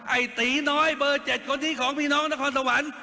ไอ้ตีน้อยเบอร์๗คนนี้ของพี่น้องนครสวรรค์